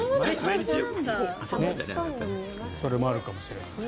それもあるかもしれない。